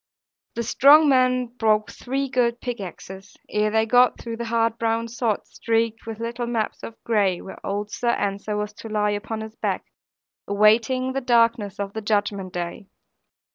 The strong men broke three good pickaxes, ere they got through the hard brown sod, streaked with little maps of gray where old Sir Ensor was to lie, upon his back, awaiting the darkness of the Judgment day.